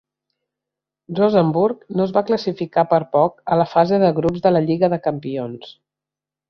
Rosenborg no es va classificar per poc a la fase de grups de la Lliga de Campions.